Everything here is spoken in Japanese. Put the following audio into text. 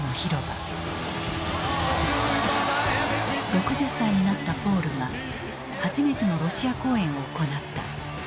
６０歳になったポールが初めてのロシア公演を行った。